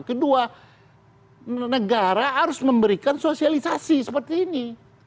kedua negara harus memberikan sosialisasi seperti ini